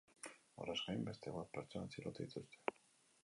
Horrez gain, beste bost pertsona atxilotu dituzte.